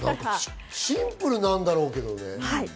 シンプルなんだろうけどね。